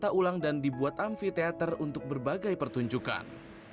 kita ulang dan dibuat amfiteater untuk berbagai pertunjukan